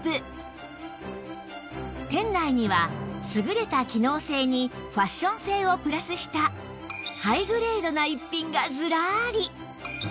店内には優れた機能性にファッション性をプラスしたハイグレードな逸品がずらり